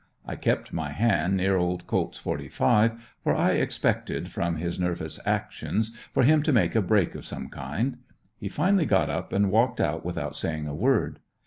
I kept my hand near old colts "45" for I expected, from his nervous actions, for him to make a break of some kind. He finally got up and walked out without saying a word.